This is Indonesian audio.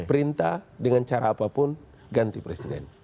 perintah dengan cara apapun ganti presiden